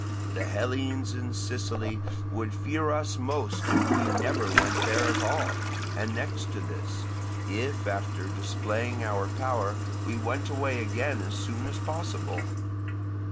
The Hellenes in Sicily would fear us most if we never went there at all, and next to this, if after displaying our power we went away again as soon as possible.